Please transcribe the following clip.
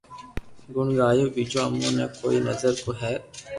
گڻ گايو ٻيجو امو ني ڪوئي نظر ھي ڪوئي